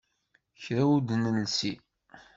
Kra ur t-nelsi.